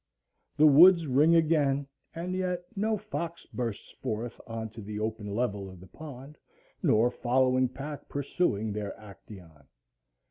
The woods ring again, and yet no fox bursts forth on to the open level of the pond, nor following pack pursuing their Actæon.